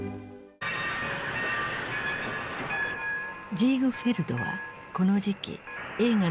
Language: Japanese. ジーグフェルドはこの時期映画の都